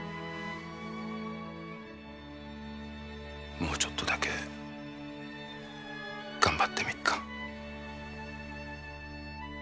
もうちょっとだけ頑張ってみっか。